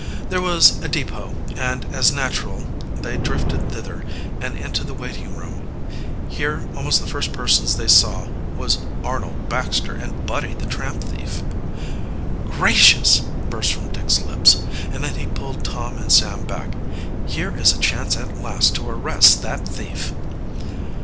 There was a depot, and as natural they drifted thither, and into the waiting room. Here almost the first persons they saw was Arnold Baxter and Buddy the tramp thief. "Gracious!" burst from Dick's lips, and then he pulled Tom and Sam back. "Here is a chance at last to arrest that thief!"